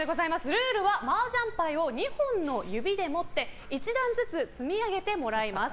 ルールはマージャン牌を２本の指で持って１段ずつ積み上げてもらいます。